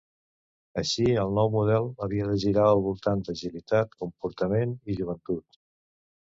Així el nou model havia de girar al voltant d'agilitat, comportament i joventut.